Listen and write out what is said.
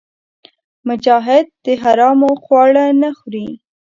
مجاهد د حرامو خواړه نه خوري.